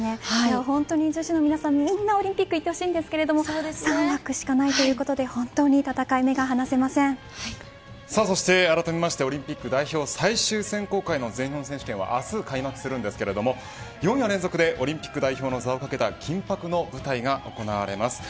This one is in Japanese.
本当に女子の皆さん、みんなオリンピックに行ってほしいんですけど３枠しかないということで本当にあらためましてオリンピック代表最終選考会の全日本選手権は明日開幕しますが４夜連続でオリンピック代表の座を懸けた緊迫の舞台が行われます。